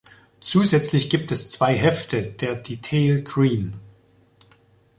Zusätzliche gibt es zwei Hefte der "Detail Green".